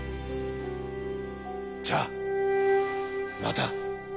じゃあまた。